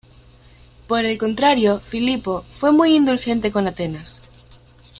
Por el contrario, Filipo fue muy indulgente con Atenas.